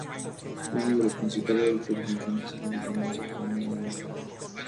Fue uno de los principales representantes en la Independencia de la Nueva Granada.